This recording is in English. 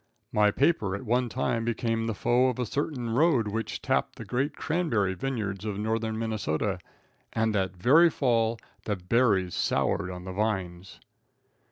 My paper at one time became the foe of a certain road which tapped the great cranberry vineyards of northern Minnesota, and that very fall the berries soured on the vines!